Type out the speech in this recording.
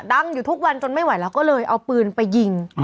อยู่ทุกวันจนไม่ไหวแล้วก็เลยเอาปืนไปยิง